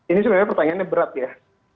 ini sebenarnya pertanyaannya berat ya